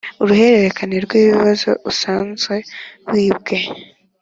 uruhererekane rw’ibibazo usanze wibwe